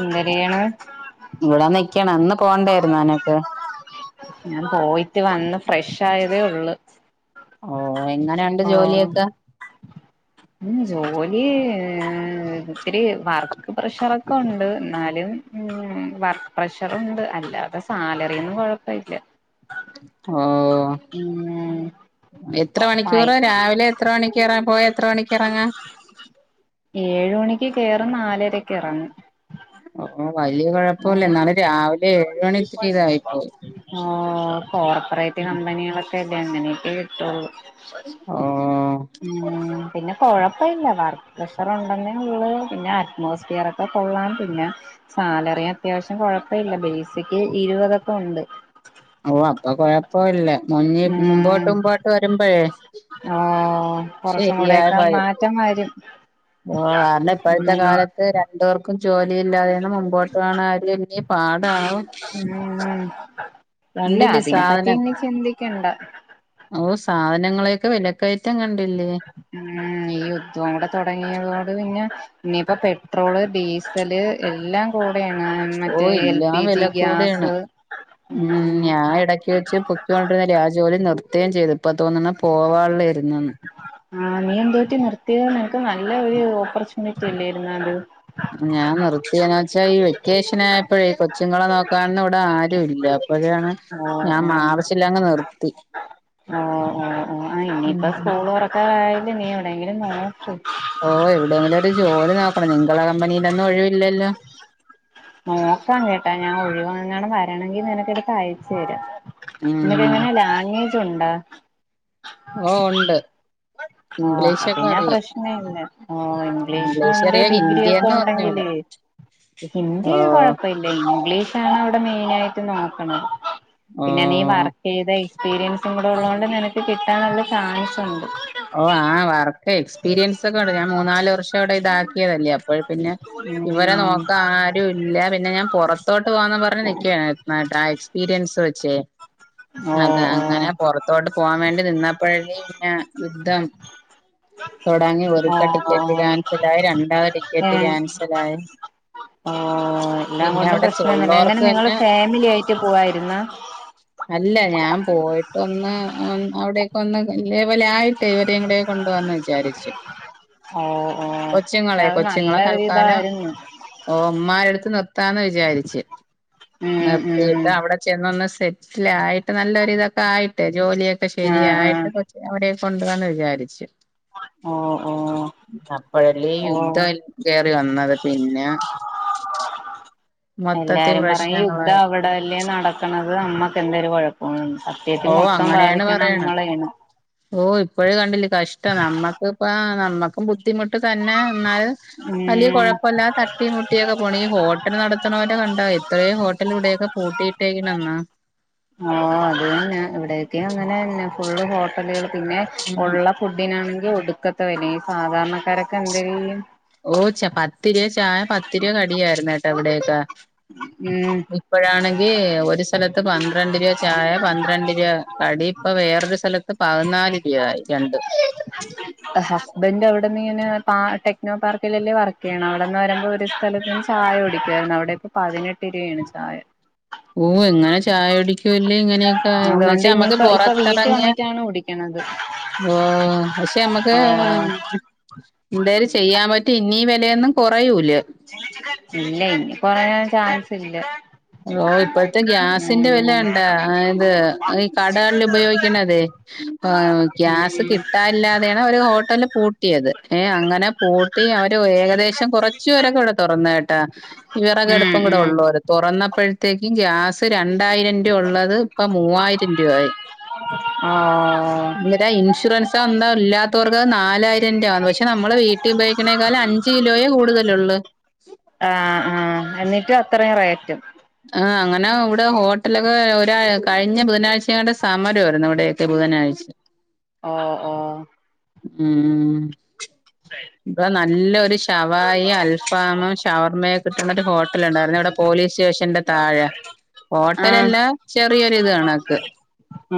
എന്തരെയ്യ്ണ് ഇവിടൊനിക്കണം ഇന്ന് പോണ്ടേര്ന്ന് നിനക്ക് ഞാൻ പോയിട്ട് വന്ന് ഫ്രഷായതേ ഉള്ള് ഓ എങ്ങനൊണ്ട് ജോലിയൊക്കെ ഉം ജോലി ഏ ഒത്തിരി വർക്ക് പ്രഷറൊക്കൊണ്ട് ന്നാലും ഉം വർക്ക് പ്രഷറുണ്ട് അല്ലാതെ സാലറ്യൊന്നും കൊഴ്പ്പല്ല ആഹ് ഉം എത്ര മണിക്കൂറ ആയി രാവിലെ എത്ര മണിക്കെറാ പോയാ എത്ര മണിക്കെറങ്ങാ ഏഴ് മണിക്ക് കേറും നാലരക്കെറങ്ങും ഓ വല്ല്യ കൊഴ്പ്പൊല്ല എന്നാലും രാവിലെ ഏഴ് മണിത്തിരിതായിപ്പോയി കമ്പനികളൊക്കെല്ലെ അങ്ങനെക്കെ കിട്ടുള്ളും ഓ ഉം പിന്ന കുഴപ്പില്ല വർക്ക് പ്രഷർ ഒണ്ടെന്നേ ഉള്ള് പിന്നെ അറ്റ്മോസ്ഫിയർറൊക്കെ കൊള്ളാം പിന്നെ സാലർ റി അത്യാവശ്യം കൊഴപ്പില്ല ബേസിക്ക് ഇരുപതൊക്കൊണ്ട് ഓ അപ്പൊ കൊഴപ്പവില്ല ഇഞ്ഞി ഉം മുമ്പോട്ടുമ്പോട്ട് വരുമ്പഴേ ഓ കൊറച്ചും കൂടെക്കെ മാറ്റം വരും. ഓ കാര്ണം ഇപ്പഴ്ത്തെ ഉം കാലത്ത് രണ്ട്പേർക്കും ജോലിയില്ലാതെന്നും മുമ്പോട്ട് പോണ കാര്യം ഇനി പാടാകും ഉം ഇല്ല കണ്ടില്ലേ അതിനെപ്പറ്റി സാധനം, ഇനി ചിന്തിക്കണ്ട ഓ സാധനങ്ങളെയൊക്കെ വിലക്കയ ഉം ഈ യുദ്ധോം കൂടെ തുടങ്ങിയതോട് പിന്നെ ഇനിയിപ്പോ പെട്രോള് ഡീസല് എല്ലാം കൂട് ട്യേണ് ഓ മറ്റേ എൽ എല്ലാം പി വില ജി കൂടെയാണ് ഗ്യാസ് ഉം ഞാൻ ഇടയ്ക്ക് വെച്ച് പൊക്കോണ്ടിരുന്നില്ലേ ആ ജോലി നിർ തേം ചെയ്ത്, ഇപ്പ തോന്നണ് പോകാനുള്ളേര് ആ നീയെന്തുപറ്റി നിർത്തിയത് നിനക്ക് നല്ല ഒരു ഓപ്പർച്യൂണിറ്റി ഇല്ലേരുന്നോ അത് ഞാൻ നിർത്തിയന പക്ഷെ ഈ വെക്കേഷൻ ആയപ്പഴേ ഈ കൊച്ചുങ്ങളെ നോക്കാനൊന്നും ഇവിടെ ആരുവില്ല അപ്പോഴാണ് ആഹ് ഞാൻ ആഹ് മാർച്ചിൽ അങ്ങു നിർത്തി. ഓ ഓ ഓ ആ ഇനിയിപ്പ ഉം സ്കൂൾ തുറക്കാറായല്ല് നീ എവിടെയങ്കിലും നോക്ക്. ഓ എവിടെയെങ്കിലും ഒരു ജോലി നോക്കണം നിങ്ങള കമ്പനിലൊന്നും ഒഴിവില്ലല്ലോ? നോക്കാം കേട്ടാ ഞാൻ, ഒഴിവെങ്ങാനും വരാണങ്കിൽ നിനക്കെടുത്ത് അയച്ചു തരാം. നിനക്ക് ഉം എങ്ങനെയ ലാംഗ്വേജുണ്ടോ? ഓ ഒണ്ട് ഓ അപ്പൊ പിന്നെ പ്രശ്ന ഇല്ല ഓ ഇംഗ്ലീഷ് ഇംഗ്ലീഷ്ണ്ട് അറിയാം ഡിഗ്രി ഒക്കെ ഹിന്ദിയൊന്നും ഉണ്ടെങ്കിലേ അറിഞ്ഞൂടാ ഹിന്ദി ഓ കൊഴപ്പ ഇല്ല ഇംഗ്ലീഷ് ക്കെയാണവിടെ മെയിനായിട്ട് നോക്കണത് പിന്നെ നീ ഓ വർക്ക് ചെയ്ത എക്സ്പീരിയൻസും കൂടെ ഒള്ളത് കൊണ്ട് നിനക്ക് കിട്ടാനുള്ള ചാൻസുണ്ട്. ഓ ആ വർക്ക് എക്സ്പീരിയൻസ് ഒക്കെ ഒണ്ട് ഞാൻ മൂന്നാല് വർഷം അവിടെ ഇതാക്കിയതല്ലേ അ അ പിന്നെ ഇവരെ ഉം നോക്കാ ആരുവില്ല പിന്നെ ഞാൻ പൊറത്തോട് പോവാന്ന് പറഞ്ഞ് നിക്കയാണ് ആ എക്സ്പീരിയൻസ് വെച്ചേ ഓ അതെ ഓ അങ്ങനെ പൊറത്തോട്ട് പോവാൻ വേണ്ടി നിന്നപ്പഴ് പിന്നെ യുദ്ധം തൊടങ്ങി ഓ ഒരട്ടം ഓ ടിക്കറ്റ് ക്യാൻസൽ ആയി രണ്ടാമതു ഏ ടിക്കറ്റ് ക്യാൻസൽ ആയി [unintelligible] ഓ എല്ലാം കൊണ്ടും പ്രശ്നം തന്നെ, എങ്ങനെ നിങ്ങള് ഫാമിലി ആയിട്ട് പോവായിരുന്നോ? അല്ല ഞാൻ പോയിട്ട് ഒന്ന് അവിടക്കെ ഒന്ന് ഇതേപോലെ ആയിട്ടേ ഇവരേം കൂടെ കൊണ്ടുപോവാന്ന് വിചാരിച്ചു. ഓ ഓ പക്ഷെ കൊച്ചുങ്ങളെ അത് നല്ല കൊച്ചുങ്ങളെ തൽക്കാലം ഒരിതായിരുന്നു ഓ ഉമ്മാരെടുത്ത് നിർ ത്താന്ന് വിചാരിച്ച്, ഉം ഉം നിർത്തിയിട്ട് അവിടെ ചെന്നൊന്ന് റ്റിലാ ആയിട്ട് നല്ലൊരിതൊക്കെ ആയിട്ട് ജോലിയൊക്കെ ആ ആ ശരിയായിട്ട് കൊച് അവിടെ കൊണ്ടുപോന്നു വിചാരിച്ചു, ഓ ഓ അപ്പഴല്ലേ യുദ്ധ ഓ വന്നത് പിന്നെ മൊത്തത്തി എല്ലാരും പറയും യുദ്ധം പ്രശ്നങ്ങളായി അവിടെല്ലേ നടക്കണത് നമ്മക്ക് എന്തരു കുഴപ്പന്ന് സത്യത്തി ഓ മൊത്തം അങ്ങനെയാണ് ബാധിക്കണ പറയണെ ങ്ങളെയാണ്. ഓ ഇപ്പോഴേ കണ്ടില്ല കഷ്ടം നമ്മക്കിപ്പ നമ്മക്കും ബുദ്ധിമുട്ട് തന്നെ എന്നാല് വലിയ ഉം കുഴപ്പല്ലാതെ തട്ടീം മുട്ടിയൊക്കെ പോണ്, ഈ ഹോട്ടല് നടത്തുന്നവരെ കണ്ടോ ഇത്രേം ഹോ ട്ടലിവിടെക്കെ പൂട്ടിട്ടേക്ക്ണെന്നോ. ഓ അഅതുതന്നെ ഇവിടെയൊക്കെ അങ്ങനെന്നെ ഫുള്ള് ഹോട്ടലുകൾ പിന്നെ ഉം ഒള്ള ഫുഡിനാണെങ്കി ഒടുക്കത്തെ വെലെയും ഈ സാധാരണക്കാരൊക്കെ എന്തര് ചെയ്യും. പത്തുരുപ ചായ പത്തുരുപ കടിയായിരുന്നു കേട്ടോ ഇവിടെയൊക്കെ ഉം ഇപ്പഴാണെങ്കി ഒരു സ്ഥലത്ത് പന്ത്രണ്ട് രൂപ ചായ പന്ത്രണ്ട് രൂപ കടി ഇപ്പ വേ റൊരു സ്ഥലത്ത് പതിനാല് രൂപായി രണ്ടും. ആ അവിടെന്ന് ഇങ്ങനെ പാ ടെക്നോ പാർക്കിലല്ലേ വർക്ക് ചെയ്യണെ അവിടെന്ന് വരുമ്പോൾ ഒരു സ്ഥലത്ത്ന്ന് ചായ കുടിക്കുവായിരുന്നു അവിടെ ഇപ്പം പതിനെട്ട് രൂപയാണ് ചായ ഓ എങ്ങനെ ചായ ിക്ക ഇങ്ങനെയൊക്കെ എന്നച്ച അതുകൊണ്ട് നമ്മക്ക് ഇനിയിപ്പ ഇപ്പൊ വീട്ടിൽ പുൊറത്തിറങ്ങിയ വന്നിട്ടാണ് കുടിക്കണത് ഓ പക്ഷെ നമ്മുക്ക് ഓ എന്തായാലും ചെയ്യാൻ പറ്റ പിന്നീ വെലയൊന്നും കൊറയൂ ഇല്ല ഇനി കൊറയാ ചാൻസ് ഇല്ല ഓ ഇപ്പോഴത്തെ ഗ്യാസിന്റെ വിലണ്ട അത് ഈ കടകൾല് ഉപയോഗിക്കണതേ ആ ഗ്യാസ് കിട്ടാല്ലാതെയാണ് അവര് ഹോട്ടലൽ പൂട്ടിയത് ഏ അങ്ങനെ പൂ ട്ടി അവര് ഏകദേശം കൊറച്ച് വിറകടു തുറന്നേട്ടാ ഉം ഉം വിറകടുപ്പും കുടെ ഉം ഉം ഒള്ളോര് തൊറന്നപ്പഴ്ത്തേക്കും ഗ്യാസ് രണ്ട് രണ്ടായിരം രൃ ഉള്ളത് ഇപ്പ മൂവായിരം രൂപായി ആഹ് ഇന്തിര ഇൻഷുറൻസാ ന്താ ഇല്ലാത്തോർക്ക് നാലായിരം രുആന്ന് പക്ഷെ നമ്മള് വീട്ടി ഉപയോഗിക്കണേക്കാളും അഞ്ച് അഞ്ച് കിലോയേ കൂടുതലൊള്ള് ആഹ് ആഹ് അത്രേം റേറ്റും ആ അങ്ങനെ ഇവിടെ ഹോട്ടലൊക്കെ ഒരാ കഴിഞ്ഞ ബുധനാഴ്ച ആണ്ട് സമരമായിരുന്നു ഇവിടയൊക്കെ ബുധനാഴ്ച ഓ ഓ ഉം ഇപ്പ നല്ലൊരു ഷവായി അൽഫാമം ഷവർമ്മയ കിട്ടന്ണ ഒരു ഹോട്ടലുണ്ടായിരുന്നു ഇവിടെ പോലീസ് സ്റ്റേഷന്റെ താഴെ ആഹ് ഹോട്ടലല്ല ചെറിയൊരി ഇത് കണക്ക്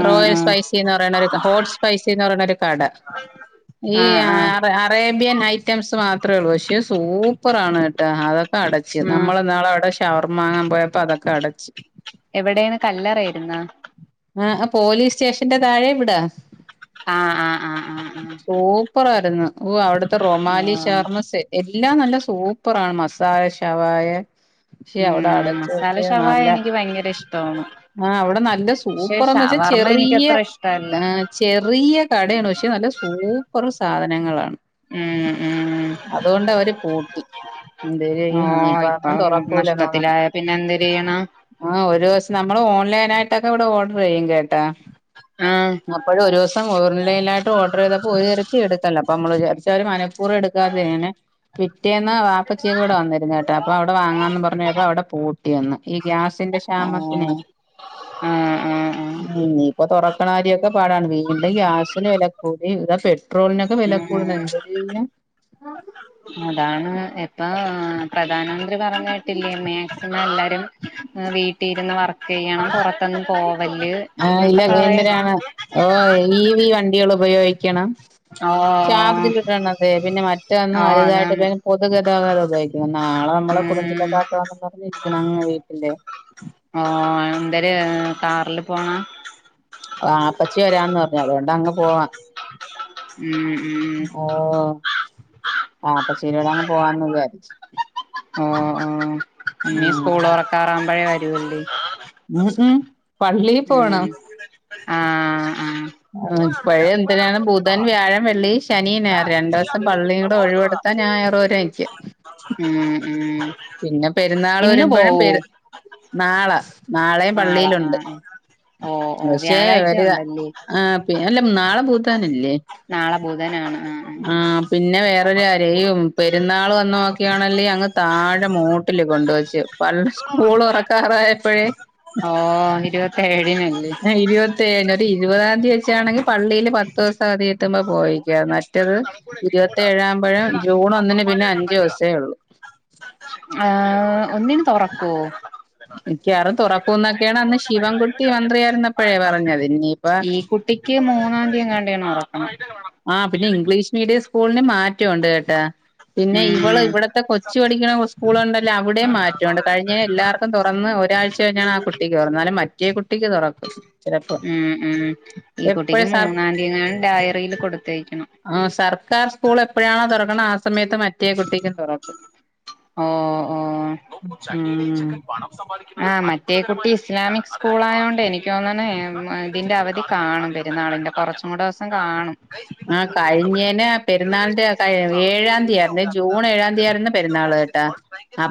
ഉം റോയൽ ഉം സ്പൈസിന്ന് പറയണ ഒരു ആഹ് ഹോട്ട് സ്പൈസീന്ന് പറയണ ഒരു കട ഈ ആഹ് ആറ അറേ ബ്യൻ ഐറ്റംസ് മാത്രേള്ളൂ പക്ഷേ സൂപ്പർാണ് കേട്ട അതൊക്കെ അടച്ച് ആഹ് നമ്മൾ നാളവിടെ ഷവർമ വാങ്ങാൻ പോയപ്പ അതൊക്കെ അടച്ച് എവിടെയന്ന് കല്ലറയിരുന്നാ ആഹ് അ പോലീസ് സ്റ്റേഷന്റെ താഴെ ഇവിടാ ആഹ് ആഹ് ആഹ് ആഹ് ആഹ് സൂപ്പറായിരുന്നു ഓ അവിടുത്തെ റൊമാലി ആഹ് ഷവർമ സെറ്റ് എല്ലാം നല്ല സൂപ്പ് സൂപ്പറാ മസാല ശവായ ശേ ഉം അവിടെ അടച്ച് മസാല വെച്ചേ ഷവായ നല്ല എനിക്ക് ഭയങ്കര ഇഷ്ടമാണ് ആ അവിടെ നല്ല പക്ഷെ സൂപ്പർന്ന് വെച്ചാ ഷവർമ്മ ചെറിയ എനിക്കത്ര ഇഷ്ടല്ല ചെറിയ കടയാണ് പക്ഷേ നല്ല സൂപ്പർ സ സാധനങ്ങളാണ് ഉം ഉം അതുകൊണ്ട് അവര് പൂട്ടി എന്തര് ഓ യ്യാൻ ഇനിപ്പ ഇപ്പൊ അതും തൊറക്കൂലാതോന്നണ് നഷ്ടത്തിലായ പിന്നെ എന്തെര് ചെയ്യണം ആഹ് ഒരു ദിവസം നമ്മള് ഓ ഓലൈനാട്ടൊക്ക ഇവിട ഓർഡർ ചെയ്യും കേട്ട ആഹ് അപ്പഴ് ഒരു ദിവസം ഓൺലൈായിട്ട് ഓർഡർ ചെയ്തപ്പോൾ ഒര്തരത്തിൽ എടുക്കല്ല അപ്പൊ നമ്മൾ വിചാരിച്ച് അവര് മനപ്പൂർവം എടുക്കാതെ അങ്ങനെ പി പിറ്റേന്ന് വാപ്പിച്ചിക്ക ഇവിടെ വന്നിരുന്നു കേട്ട അപ്പൊ അവിടുന്ന് വാങ്ങാന്ന് പറഞ്ഞ്പ്പോയപ്പോ അവിടെ പൂട്ടിയന്ന് ഗ്യാസിന്റെ ഓ ക്ഷാമത്തിനെ ആഹ് ആഹ് ആഹ് ഉ ഇപ്പൊ തുറക്കണ കാര്യൊക്കെ പാടാണ് വീണ്ടും ഗ്യാസിന് വെല കൂടി ഇതാ പെട്ട് ഉം അതാണ് എപ്പാ പ്രധാനമന്ത്രി പറഞ്ഞ കേട്ടില്ലേ മാക്സിമം എല്ലാരും വീട്ടിര്ന്നു വർ ചെയ്യണം പൊറത്തൊന്നും പോ ആ ഇല്ല എന്തിനാണ് ഓ വി വണ്ടികൾ ഉപയോഗിക്കണം ഓ ശാബ്ജ കിട്ടണംതെ പിന്നെ മറ്റൊന്നും ഓ അതാണ് വലുതായിട്ട് പൊതുഗതാഗതം ഉപയോഗിക്കുന്ന നാളെ നമ്മളെ ഉം പുറഞ്ചില്ലക്കാട്ട് വന്നന്ന് പറഞ്ഞിരിക്ക അ വീട്ടില് ഓ എന്തര് കാറില് പോണ ആപ്പച്ചി വരാന്ന് പറഞ്ഞു അതുകൊണ്ടങ്ങ് പോവാം ഉം ഉം ഓ ആ അപ്പൊ ശെരിടങ്ങ് പോവാന്ന് വിചാരിച്ച് ഉം ഉം ഇനീ ഉം സ്കൂളു തൊറക്കാറാവുമ്പഴേ വരുവല്ലേ ഊ ഹു പള്ളീ പോണം ആ ആ ഇപ്പഴേ എന്തിനാണ് ബുധൻ വ്യാഴം വെള്ളി ശനി നായർ രണ്ടു ദിവസം പള്ളിയൂ ടെ ഒഴിവെടുത്താ ഞായറു വരെ ഇരിക്കാം ഉം ഉം പിന്നെ പെരുന്നാളു ഇന്ന് വരുമ്പഴും പോവോ പെരു നാളെ നാളെയും നാളെ പള്ളിയിലുണ്ട് ആഹ് ആഹ് ഓ ഓ പക്ഷേ വ്യാഴാഴ്ച വരുവാ ഉണ്ടല്ലേ ആ പി അല്ല നാളെ ബുധനല്ലേ നാളെബുധനാണ് ആ പിന്നെ വേറൊരു കാര്യം ഈ പെരുന്നാളു വന്നു നോക്കിയാണെങ്കിൽ അങ്ങ് താ മൂട്ടിലെ കൊണ്ടെ വച്ചു പള്ളി സ്കൂളു തുറക്കാറായപ്പഴേ ഓ ഇരുവത്തെഴുനല്ലേ ഇരുപത്തേഴിന് ഇരുപതാം തീയതി വച്ചാണെങ്കി പള്ളീല് പത്തീസം അതി എത്തുമ്പോ പോയിക്ക മറ്റത് ഇരുപത്തേഴാവുമ്പഴെ ജൂൺ ഒന്നിന് പിന്നെ അഞ്ച്ചൂസേ ഉള്ളു ആ ഒന്നിനു തൊറക്കുവോ മിക്കവാറും തൊറക് തൊറക്കൂന്നൊക്കെയാണ് അന്ന് ശിവൻകുട്ടി മന്ത്രിയായിരുന്നപ്പോഴേ പറഞ്ഞത് ഇനിയിപ്പ ണ്ടിയറോ [unintelligible] ആ പിന്നെ ഇംഗ്ലീഷ് മീഡിയം സ്കൂളിന് മാറ്റണ്ട് കേട്ടാ പിന്നെ ഇവളെ ഉം ഇവിടുത്തെ കൊച്ചു പഠിയ്ക്കുന്ന സ്കൂളുണ്ടല്ലോ അവിടെം മാറ്റണ്ട് കഴിഞ്ഞ എല്ലാർക്കും തൊറന്ന് ഒരാഴ്ച കഴിഞ്ഞ ആ കുട്ടിക്ക് തുറന്നാലും മറ്റേ കുട്ടിക്ക് തൊ റക്കും ചിലപ്പം ഉം ഉം ഈ എപ്പ കുട്ടിക്ക് മൂന്നാം തീയതിന്നാണെ ഡയറി ആ സർക്കാർ സ്കൂൾ എപ്പഴാണോ തുറക്കണെ സമയത്ത് മറ്റേ കുട്ടിക്കും തൊറക്കും ഓ ഓ ഉം ഉം ആ മറ്റേ കുട്ടി ഇസ്ലാമിക് സ്കൂൾ ആയോണ്ട് എനിക്ക് തോന്നന്നെ ഇതിന്റെ അവധി കാണും പെരുന്നാളിന് പിന്നെ കുറച്ചും കൂടെ ദിവസം കാണും ആ കഴിഞ്ഞേനെ പെരുന്നാളിന്റെ ഏഴാന്തിയാ പിന്നെ ജൂൺ ഏഴാം തീയതി ആയിരുന്നു പെരുന്നാളെ കേട്ടാ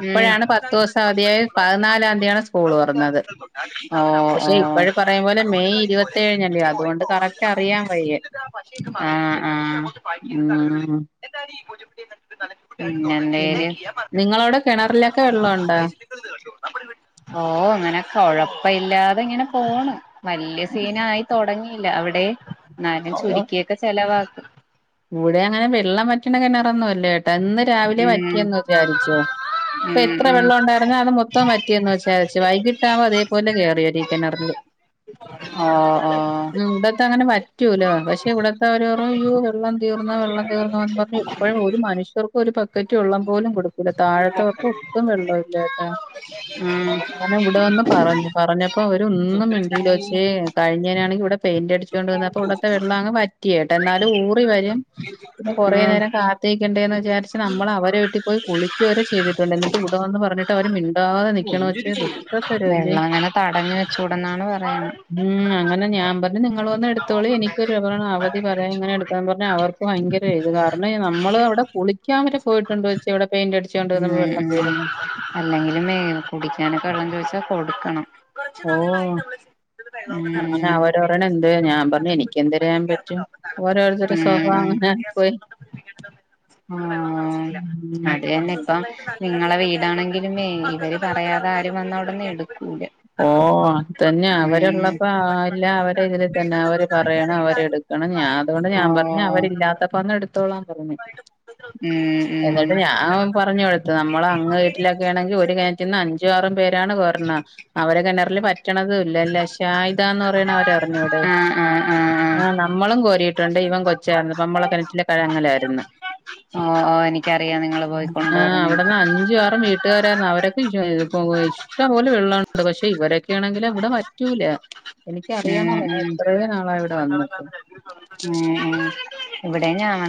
ഉം പത്തെ ദിവസം അവധായി പതിനാലാം തീയതി യാണ് സ്കൂളു തൊറന്നതെ ഓ പക്ഷെ ഓ ഇപ്പഴു പറയും പോലെ മെയ് ഇരുപത്തേ ഴിനല്ലോ അതുകൊണ്ട് കറക്റ്റ് കറിയാൻ വയ്യേ ആ ആ പിന്നെ പിന്നെ എന്തര് നിങ്ങളവിടെ കിണറിലൊക്കെ വെള്ളമുണ്ടോ [unintelligible] ഓ അങ്ങനെ കൊഴപ്പയില്ലാ അതിങ്ങനെ പോണു വല്യ സീനായി തൊടങ്ങിയില്ല അവിടെ എന്നാലും ചുരുക്കിയൊക്കെ ചെലവാക്കും കൂടെ അങ്ങനെ വെള്ളം പറ്റണ കെണറൊന്നുമല്ല കെട്ടോ എന്ന് രാവിലെ വ ഉം റ്റിയന്ന് വിചാരിച്ചോ ഇപ്പൊ ഉം എത്ര ഉം വെള്ളം ഉണ്ടായിരുന്നോ അത് മൊത്തം വറ്റിയന്ന് വച്ച അത്യാവശ്യ വൈകിട്ടാവോ അതേപോലെ കേറി വരും ഈ കിണറില് ആ ആ പറ്റൂല പക്ഷെ ഇവിടത്തെ ഓരോരോ ഉറാ വെള്ളം തീർന്നു വെള്ളം തീർന്നു എന്നും പറഞ്ഞ ഇപ്പഴും ഒരു മനുഷ്യർക്കും ഒരു ബക്കറ്റ് വള്ളം പോലും കൊടുക്കൂല്ല താഴത്തെ ഒട്ടും വെള്ളോല്ലാട്ടോ ഉം അങ്ങനെ ഇവിടെ വന്ന് പറഞ്ഞു പറഞ്ഞപ്പോ അവരൊന്നും മിണ്ടലോച്ചേ കഴിഞ്ഞേനാണെങ്കി ഇവിടെ പെയിന്റടിച്ചോണ്ട് വന്ന് അപ്പൊ ഇവിടത്തെ വെള്ളം അങ്ങ് വറ്റി കേട്ടോ എന്നാലും ഊറി വരും പിന്നെ കുറേ ഉം നേരം കാത്തി ണ്ടേന്നെ വിചാരിച്ച് നമ്മൾ അവരെ വെട്ടി പോയി കുളിച്ചുവരെ ചെയ്തിട്ടുണ്ട് എന്നിട്ടിവിടെ വന്നു പറഞ്ഞിട്ടവരെ മിണ്ടാതെ നിക് വെള്ളം അങ്ങനെ തടഞ്ഞ് വെച്ചൂടന്നാണ് പറയുന്നെ ഉം അങ്ങനെ ഞാൻ പറഞ്ഞു നിങ്ങൾ വന്നു എടുത്തോളി ഇങ്ങനൊരു അവധി അപ്പൊ ഞാൻ പറഞ്ഞ് അവർക്ക് ഭയങ്കര ഇത് കാരണേ നമ്മള് അവിടെ കുളിക്കാൻ വരെ പോയിട്ടുണ്ട് വെച്ച് ഇവിടെ പെയിന്റടിച്ച് കൊണ്ട് ഉം വന്ന വെള്ളം ഉം വീഴുന്നുണ്ട് അല്ലെങ്കിലും വേ കുടിക്കാനൊക്കെ വെള്ളം ചോദിച്ചാ കൊടുക്കണം ഓ അങ്ങനെ അവര് പറയണ് എന്തേ ഞാൻ പറഞ്ഞ് എനി എനിക്കെന്തര് ചെയ്യാൻ പറ്റും ഓരോരുത്തരുടെ സ്വഭാവം അങ്ങനെ ആയി പോയി ആ ഉം അതന്നെ ഇപ്പം നിങ്ങളെ വീടാണെങ്കിലുമേ ഇവര് പറയാതെ ആരും വന്നവിടന്ന് എടുക്കൂല തന്നെ അവരുള്ളപ്പോ ആ എല്ലാ ഇതിൽ തന്നെ അവര് പറയണം അവര് എടുക്കണം ഞാൻ അതുകൊണ്ട് ഞാൻ പറഞ്ഞ് ഓഹ് അവരില്ലാത്തപ്പം അങ്ങ് എടു തോളം പറഞ്ഞെ ഉം ഉം എന്നിട്ട് ഞാൻ പറഞ്ഞ് അവ ത്ത് നമ്മള് അങ്ങ് വീട്ടിലൊക്കെ ആണെങ്കി ഒരു കേണറ്റീന്ന് അഞ്ചും ആറും പേരാണ് കൊരണേ അവരെ കിണറില് വറ്റണതും ഇല്ല ല ഷായിദാന്ന് പറയണ അവരെ അറിഞ്ഞൂടെ ആഹ് ആഹ് ആഹ് ആ ആഹ് നമ്മളും കോരിട്ടുണ്ട് ഇവൻ കൊച്ചായിരുന്നപ്പോ നമ്മളെ കെണറ്റിലെ കഴങ്ങലായിരുന്ന് ഓ ഓ എനിക്കറിയാം നിങ്ങള് പോയി കൊണ്ടുവരണെക്കേ കൂട്ടുകാരായിരുന്ന് അവരൊക്കെ ഇ ഇഷ്ടംപോലെ വെള്ളാണ് ഉണ്ട് പക്ഷെ ഇവരൊക്കെയാണെങ്കില് ഇവിടെ വറ്റൂല എനിക്ക് ഉം അറിയാംന്നൊള്ള ഞാൻ ഇത്രയും നാളായി ഇവിടെ വന്ന് ഏ ഏ ഇവിടെയും ഞാന്